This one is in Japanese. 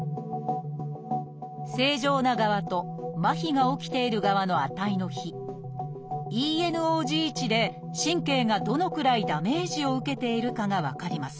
正常な側と麻痺が起きている側の値の比ＥＮｏＧ値で神経がどのくらいダメージを受けているかが分かります。